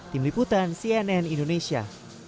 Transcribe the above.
tim liputan cnn indonesia